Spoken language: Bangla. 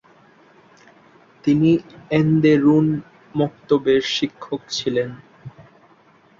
তিনি এন্দেরুন মক্তবের শিক্ষক ছিলেন।